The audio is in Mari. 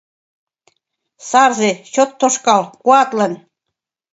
Сарзе, чот тошкал, куатлын.